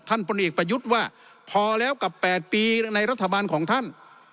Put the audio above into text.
พลเอกประยุทธ์ว่าพอแล้วกับ๘ปีในรัฐบาลของท่าน